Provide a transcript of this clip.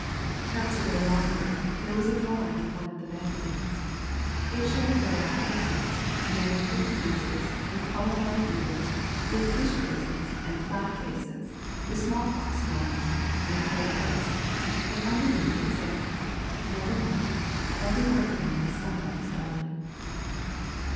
Not so very long ago there was a drawing in one of the magazines. It showed a row of faces, men with hooked noses, with cauliflower ears, with dish faces, and flat faces, with smallpox scars, with hare lips. And underneath it said: "Never mind, every one of them is somebody's darling."